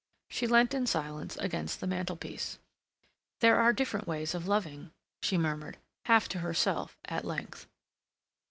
She leant in silence against the mantelpiece. "There are different ways of loving," she murmured, half to herself, at length.